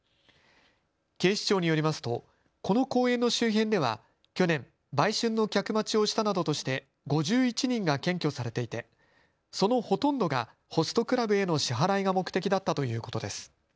警視庁によりますとこの公園の周辺では去年、売春の客待ちをしたなどとして５１人が検挙されていて、そのほとんどがホストクラブへの支払いが目的だったということです。